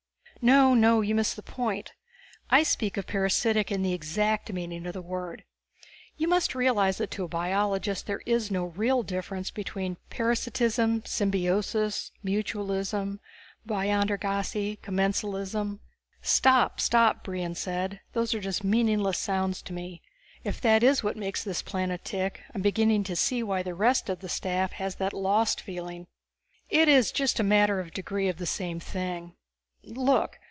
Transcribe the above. "No, no you miss the point! I speak of parasitic in the exact meaning of the word. You must realize that to a biologist there is no real difference between parasitism, symbiosis, mutualism, biontergasy, commensalism " "Stop, stop!" Brion said. "Those are just meaningless sounds to me. If that is what makes this planet tick I'm beginning to see why the rest of the staff has that lost feeling." "It is just a matter of degree of the same thing. Look.